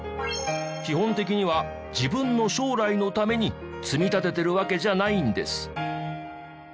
基本的には自分の将来のために積み立ててるわけじゃないんです。